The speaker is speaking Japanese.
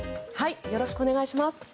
よろしくお願いします。